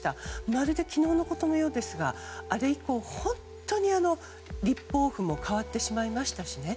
まるで昨日のことのようにあれ以降、本当に立法府も変わってしまいましたしね。